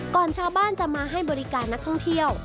ชาวบ้านจะมาให้บริการนักท่องเที่ยว